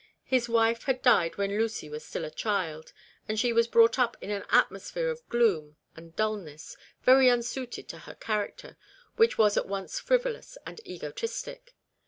His wife had died when Lucy was still a child, and she was brought up in an atmosphere of gloom and dulness, very unsuited to her character, which was at once frivolous and egotistic.